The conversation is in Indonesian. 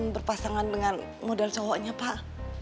berpasangan dengan model cowoknya pak